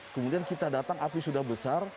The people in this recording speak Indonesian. kemudian kita datang api sudah besar